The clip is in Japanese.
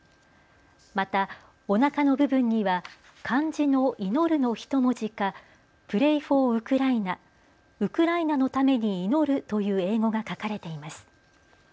また、おなかの部分には漢字の祈のひと文字かＰＲＡＹｆｏｒＵＫＲＡＩＮＥ、ウクライナのために祈るという英語が書かれています。